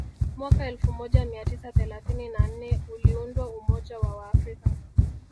Mwaka elfu moja mia tisa thelathini na nne uliundwa umoja wa Waafrika